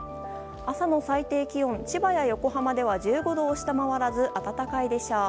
朝の最低気温、千葉や横浜では１５度を下回らず暖かいでしょう。